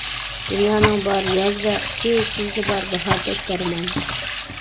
دۇنيانىڭ بار ياز ۋە قىشى، سىزدە بار باھاردەك دەرمان.